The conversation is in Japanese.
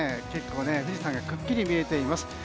結構、富士山がくっきり見えています。